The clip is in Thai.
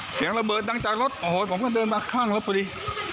เสียงระเบิดดังจากรถโอ้โหผมก็เดินมาข้างรถพอดี